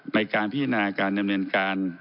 ในการพิจารณาการดำเนินการ